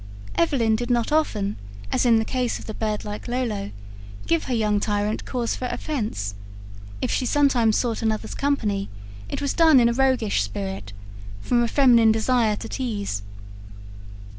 Evelyn did not often, as in the case of the birdlike Lolo, give her young tyrant cause for offence; if she sometimes sought another's company, it was done in a roguish spirit from a feminine desire to tease.